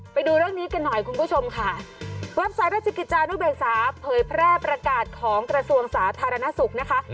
ไปดูเรื่องนี้กันหน่อยคุณผู้ชมค่ะเว็บไซต์ราชกิจจานุเบกษาเผยแพร่ประกาศของกระทรวงสาธารณสุขนะคะ